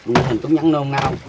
mình cũng vẫn nôn náo